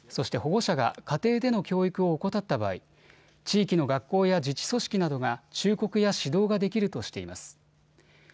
そして、保護者が家庭での教育を怠った場合地域の学校や自治組織などが忠告や指導ができるとしています。